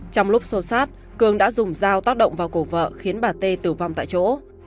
trong lúc sâu sát cường đã dùng dao tác động vào cổ vợ khiến bà tê tử vong tại chỗ